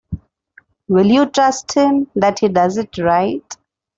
Will you trust him that he does it right?